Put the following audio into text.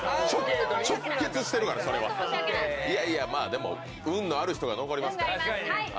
でも運がある人が残りますから。